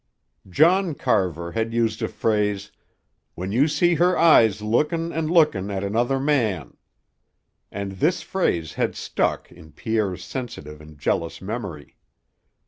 John Carver had used a phrase, "When you see her eyes lookin' and lookin' at another man " and this phrase had stuck in Pierre's sensitive and jealous memory.